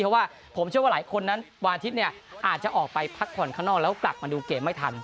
เพราะว่าผมเชื่อว่าหลายคนนั้นวันอาทิตย์เนี่ยอาจจะออกไปพักผ่อนข้างนอกแล้วกลับมาดูเกมไม่ทัน